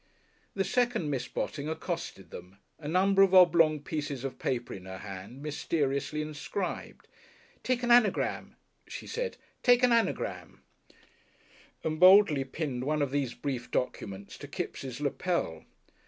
The second Miss Botting accosted them, a number of oblong pieces of paper in her hand, mysteriously inscribed. "Take an anagram," she said; "take an anagram," and boldly pinned one of these brief documents to Kipps' lapel.